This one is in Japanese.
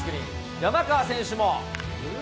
山川選手も。